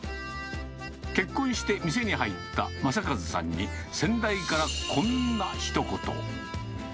結婚して店に入った正和さんに、先代からこんなひと言。